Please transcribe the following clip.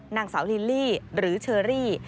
นางสาวลิลลี่หรือเชอรี่